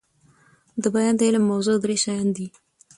دبیان د علم موضوع درې شيان دي.